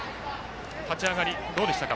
立ち上がり、どうでしたか？